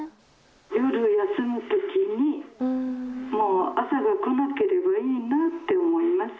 夜休むときに、もう朝が来なければいいなって思います。